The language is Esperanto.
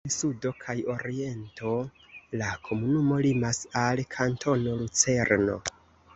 En sudo kaj oriento la komunumo limas al Kantono Lucerno.